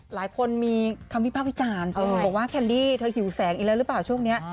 หลายคนมีคำวิพากษ์วิจารณ์บอกว่าแคนดี้เธอหิวแสงอีกแล้วหรือเปล่าช่วงนี้